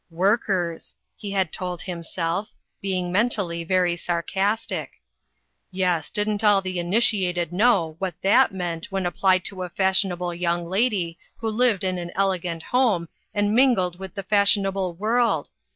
" Workers !" he had told himself, being mentally very sarcastic, " yes, didn't all the initiated know what that meant when applied to a fashionable young lady who lived in an elegant home and mingled with the fashion able world